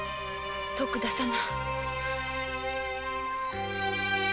徳田様。